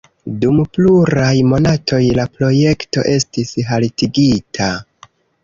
Dum pluraj monatoj la projekto estis haltigita.